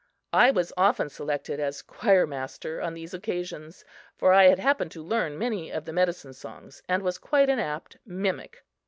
I was often selected as choir master on these occasions, for I had happened to learn many of the medicine songs and was quite an apt mimic.